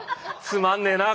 「つまんねえな